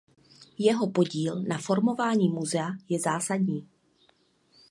Jeho podíl na formování muzea je zásadní.